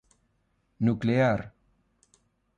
Nuclear